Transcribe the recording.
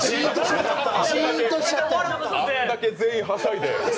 あんだけ全員はしゃいで。